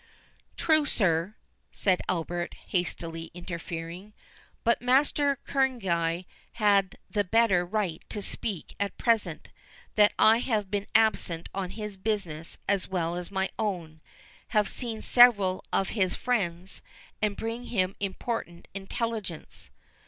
"True, sir," said Albert, hastily interfering; "but Master Kerneguy had the better right to speak at present, that I have been absent on his business as well as my own, have seen several of his friends, and bring him important intelligence."